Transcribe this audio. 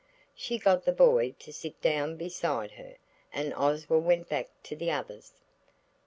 She got the boy to sit down beside her, and Oswald went back to the others.